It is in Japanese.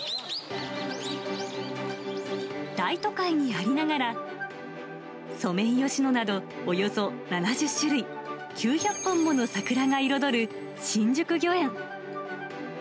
大都会にありながら、ソメイヨシノなど、およそ７０種類、９００本もの桜が彩る新宿御苑。